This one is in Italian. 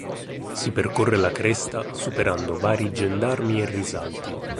Si percorre la cresta superando vari gendarmi e risalti.